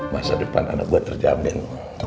masa depan anak buah terjamin